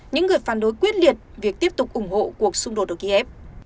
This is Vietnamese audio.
những người phản đối quyết liệt việc tiếp tục ủng hộ cuộc xung đột ở kiev